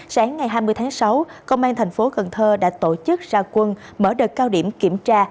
sáng ngày hai mươi tháng sáu công an thành phố cần thơ đã tổ chức ra quân mở đợt cao điểm kiểm tra